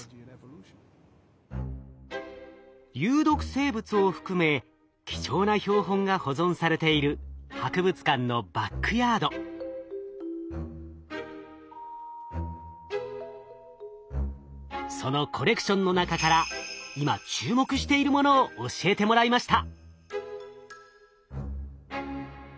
生物を含め貴重な標本が保存されているそのコレクションの中から今注目しているものを教えてもらいました。